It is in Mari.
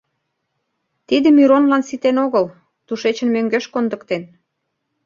Тиде Миронлан ситен огыл — тушечын мӧҥгеш кондыктен.